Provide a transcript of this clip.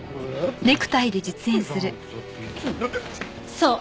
そう。